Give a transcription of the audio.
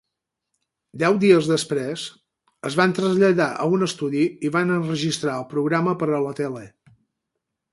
Deu dies després, es van traslladar a un estudi i van enregistrar el programa per a la tele.